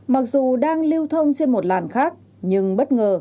mặc dù đang lưu thông trên một làn khác nhưng bất ngờ